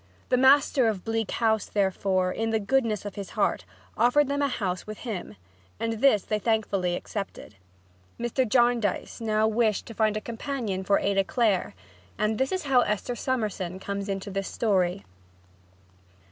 The master of Bleak House, therefore, in the goodness of his heart, offered them a home with him, and this they thankfully accepted. Mr. Jarndyce now wished to find a companion for Ada Clare; and this is how Esther Summerson comes into this story.